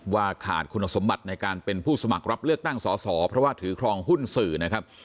ว่าขาดคุณสมบัติในการเป็นผู้สมัครรับเลือกตั้งสอสอเพราะว่าถือครองหุ้นสื่อนะครับ